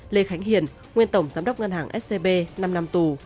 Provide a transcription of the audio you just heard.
lê khánh hiền nguyên tổng giám đốc ngân hàng scb năm năm tù